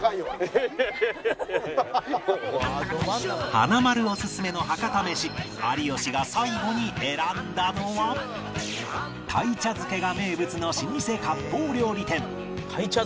華丸オススメの博多メシ有吉が最後に選んだのは鯛茶漬けが名物の老舗割烹料理店